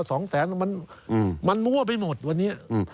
๒แสนมันมั่วไปหมดวันนี้